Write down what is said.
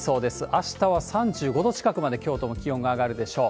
あしたは３５度近くまで京都も気温が上がるでしょう。